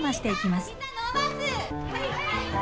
はい！